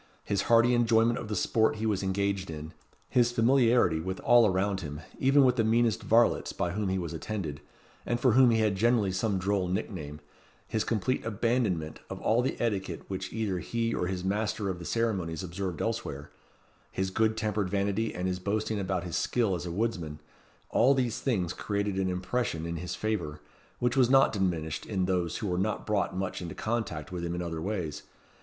His hearty enjoyment of the sport he was engaged in; his familiarity with all around him, even with the meanest varlets by whom he was attended, and for whom he had generally some droll nickname; his complete abandonment of all the etiquette which either he or his master of the ceremonies observed elsewhere; his good tempered vanity and boasting about his skill as a woodsman, all these things created an impression in his favour, which was not diminished in those who were not brought much into contact with him in other ways.